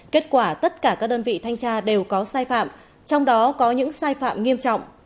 kết quả tất cả các đơn vị thanh tra đều có sai phạm trong đó có những sai phạm nghiêm trọng